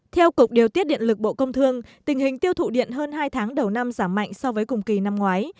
theo cục điều tiết điện lực bộ công thương tình hình tiêu thụ điện hơn hai tháng đầu năm giảm mạnh so với cùng kỳ năm ngoái